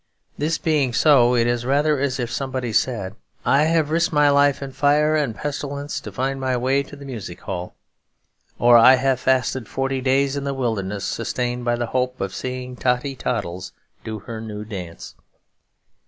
This being so, it is rather as if somebody said, 'I have risked my life in fire and pestilence to find my way to the music hall,' or, 'I have fasted forty days in the wilderness sustained by the hope of seeing Totty Toddles do her new dance.'